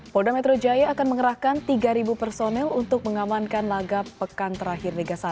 polda metro jaya akan mengerahkan tiga personel untuk mengamankan laga pekan terakhir liga satu